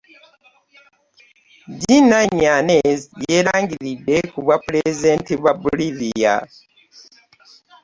Jeanine Anez yeerangiridde ku bwa pulezidenti bwa Bolivia